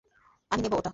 আমি নেবো ওটা।